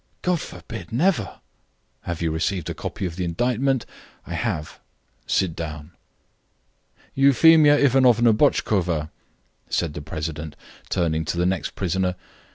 "God forbid, never." "Have you received a copy of the indictment?" "I have." "Sit down." "Euphemia Ivanovna Botchkova," said the president, turning to the next prisoner.